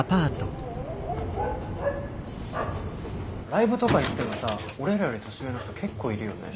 ライブとか行ってもさ俺らより年上の人結構いるよね。